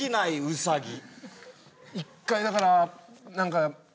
１回だから何か。